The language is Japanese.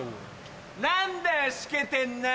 何だよしけてんな